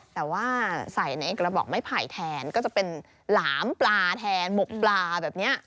แต่ว่าใส่ในกระบอกไม้ไผ่แทนก็จะเป็นหลามปลาแทนหมกปลาแบบนี้